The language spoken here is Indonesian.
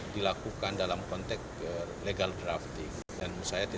dilakukan untuk menjaga kepentingan pemerintah